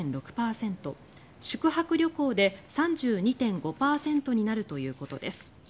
宿泊旅行で３２．５％になるということです。